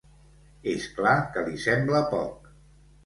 És clar que li sembla poc.